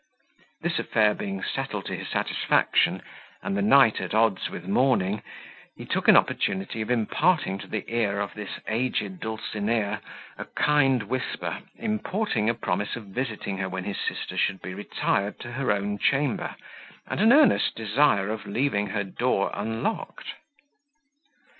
This affair being settled to his satisfaction, and the night at odds with morning, he took an opportunity of imparting to the ear of this aged dulcinea a kind whisper, importing a promise of visiting her when his sister should be retired to her own chamber, and an earnest desire of leaving her door unlocked.